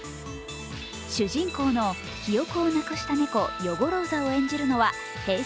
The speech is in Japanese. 主人公の記憶をなくした猫ヨゴロウザを演じるのはＨｅｙ！